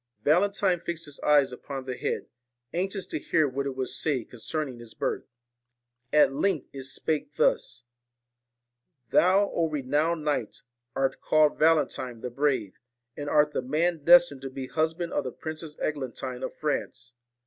Valentine fixed his eyes upon the head, anxious to hear what it would say con cerning his birth. At length it spake thus : 'Thou, O renowned knight, art called Valentine the Brave, and art the man destined to be the husband of the Princess Eglantine of France.